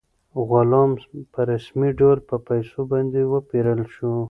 غلام په رسمي ډول په پیسو باندې وپېرل شو.